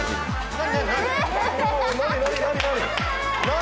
何？